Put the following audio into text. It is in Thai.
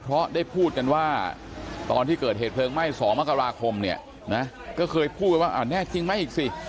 เพราะได้พูดกันว่าตอนที่เกิดเหตุเพลิงไหม้๒มกราคมเนี่ยนะก็เคยพูดไปว่าแน่จริงไหมอีกสิ